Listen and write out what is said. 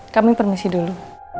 kami permisi dulu